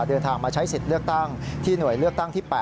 เดินทางมาใช้สิทธิ์เลือกตั้งที่หน่วยเลือกตั้งที่๘